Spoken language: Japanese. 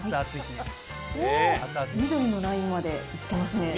おー、緑のラインまでいってますね。